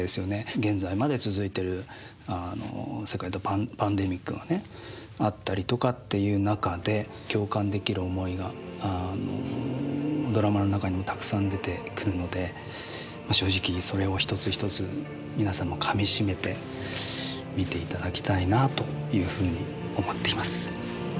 現在まで続いてる世界のパンデミックがねあったりとかっていう中で共感できる思いがドラマの中にもたくさん出てくるので正直それを一つ一つ皆さんもかみしめて見ていただきたいなというふうに思っています。